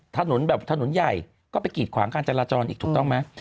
ถนนแบบถนนใหญ่ก็ไปกีดขวางการจราจรอีกถูกต้องไหม